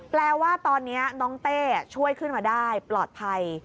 แปลว่าตอนนี้น้องเต้ช่วยขึ้นมาได้ปลอดภัย